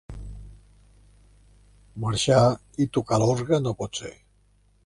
Marxar i tocar l'orgue no pot ser.